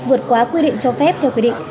vượt quá quy định cho phép theo quy định